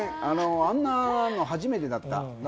あんなの初めてだった。